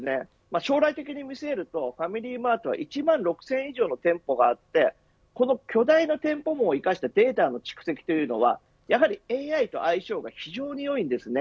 将来的に見据えるとファミリーマートは１万６０００以上の店舗があってこの巨大な店舗網を生かしたデータの蓄積というのはやはりＡＩと相性が非常によいです。